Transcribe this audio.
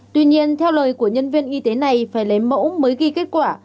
tuy nhiên theo lời của nhân viên y tế này phải lấy mẫu mới ghi kết quả